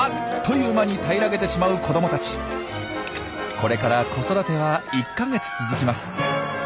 これから子育ては１か月続きます。